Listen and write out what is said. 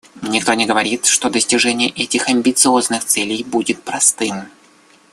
Никто не говорит, что достижение этих амбициозных целей будет простым.